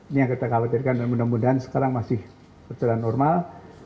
ini yang kita khawatirkan dan mudah mudahan sekarang masih berjalan normal